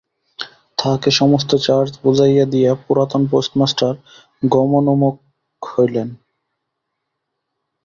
তাহাকে সমস্ত চার্জ বুঝাইয়া দিয়া পুরাতন পোস্টমাস্টার গমনোন্মুখ হইলেন।